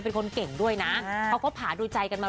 เธอเป็นคนเก่งด้วยนะเขาก็ผ่านดูจัยกันมา